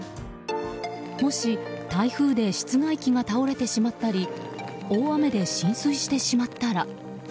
もし、台風で室外機が倒れてしまったり大雨で浸水してしまったら。